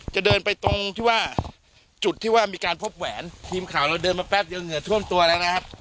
จะเดินไปตรงที่ว่าจุดที่ว่ามีการพบแหวนทีมข่าวเราเดินมาแป๊บเดียวเหงื่อท่วมตัวแล้วนะครับ